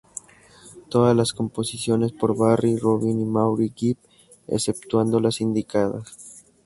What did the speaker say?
Todas las composiciones por Barry, Robin y Maurice Gibb, exceptuando las indicadas.